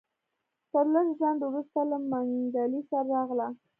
تر لږ ځنډ وروسته له منګلي سره راغله.